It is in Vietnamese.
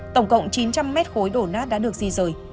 tổng cộng chín trăm linh mét khối đổ nát đã được di rời